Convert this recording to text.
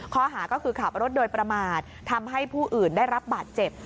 ข้อหาก็คือขับรถโดยประมาททำให้ผู้อื่นได้รับบาดเจ็บ